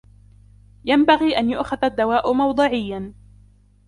ينبغي أن يؤخذ الدواء موضعيا.